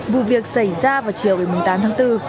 vụ việc xảy ra vào chiều một mươi tám tháng bốn